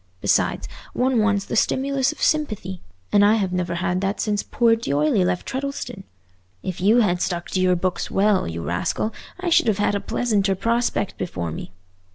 Besides, one wants the stimulus of sympathy, and I have never had that since poor D'Oyley left Treddleston. If you had stuck to your books well, you rascal, I should have had a pleasanter prospect before me.